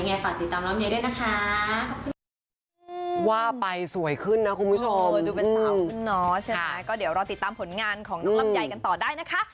อย่างไรฝากติดตามน้องลำไยด้วยนะคะ